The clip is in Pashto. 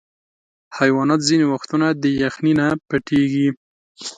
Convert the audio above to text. حیوانات ځینې وختونه د یخني نه پټیږي.